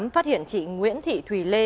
phát hiện chị nguyễn thị thùy lê